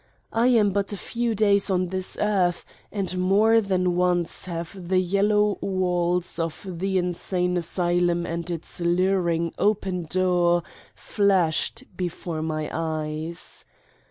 I am but a few days on this earth and more than once have the yellow walls of the insane asylum and its luring open door flashed before my eyes.